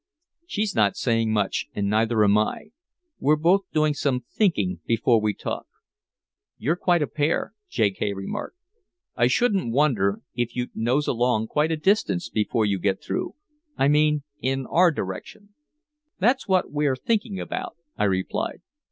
"She's not saying much and neither am I. We're both doing some thinking before we talk." "You're a quiet pair," J. K. remarked. "I shouldn't wonder if you'd nose along quite a distance before you get through I mean in our direction." "That's what we're thinking about," I replied.